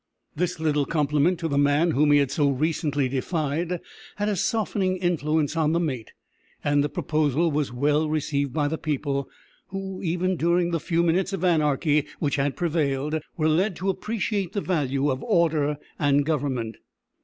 This little compliment to the man whom he had so recently defied had a softening influence on the mate, and the proposal was well received by the people, who, even during the few minutes of anarchy which had prevailed, were led to appreciate the value of order and government.